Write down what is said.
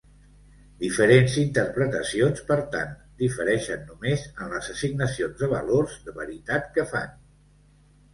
Diferents interpretacions, per tant, difereixen només en les assignacions de valors de veritat que fan.